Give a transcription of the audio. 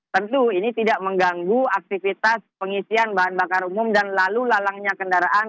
tentu ini tidak mengganggu aktivitas pengisian bahan bakar umum dan lalu lalangnya kendaraan